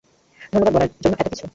ধন্যবাদ বলার জন্য এতো কিছু?